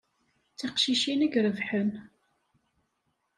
D tiqcicin i irebḥen.